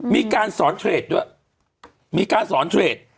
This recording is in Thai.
มีการสอนเทรดด้วยมีการสอนเทรด